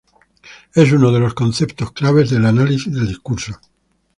Es uno de los conceptos claves del Análisis del discurso.